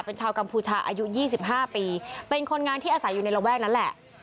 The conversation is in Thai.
เป็นชาวกัมพูชาอายุ๒๕ปีเป็นคนงานที่อาศัยอยู่ในระแวกนั้นแหละ